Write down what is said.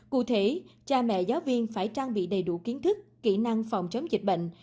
cụ thể cha mẹ giáo viên phải trang bị đầy đủ kiến thức kỹ năng phòng chống dịch bệnh